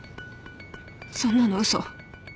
そんなの嘘。